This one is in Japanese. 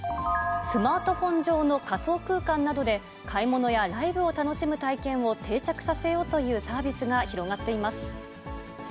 スマートフォン上の仮想空間などで、買い物やライブを楽しむ体験を定着させようというサービスが広がっています。